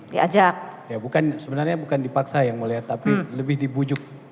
diajak sebenarnya bukan dipaksa yang melihat tapi lebih dibujuk